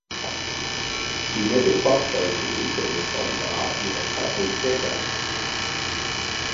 Il n’était pas prévu que des soldats iraient s’abriter derrière.